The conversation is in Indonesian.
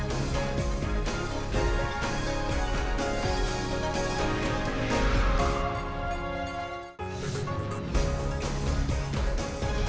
terima kasih pak